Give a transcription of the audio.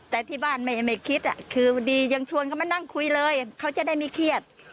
แต่ที่บ้านไม่คิดคือดียังชวนเขามานั่งคุยเลยเขาจะได้ไม่เครียด